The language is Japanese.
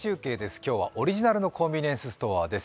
今日はオリジナルのコンビニエンスストアです。